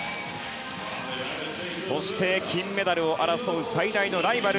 そして金メダルを争う最大のライバル